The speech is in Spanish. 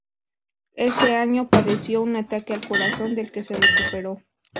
Ese año padeció un ataque al corazón, del que se recuperó.